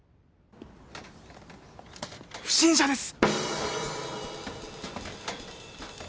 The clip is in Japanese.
不審者です！